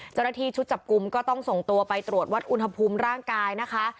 เจ้าหน้าที่ชุดจับกลุ่มก็ต้องส่งตัวไปตรวจวัดอุณหภูมิร่างกายนะคะ